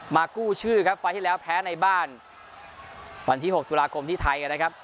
กู้ชื่อครับไฟล์ที่แล้วแพ้ในบ้านวันที่๖ตุลาคมที่ไทยนะครับ